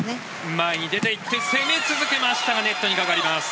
前に出ていって攻め続けましたがネットにかかります。